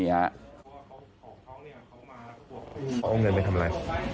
เอาเงินไปทำอะไร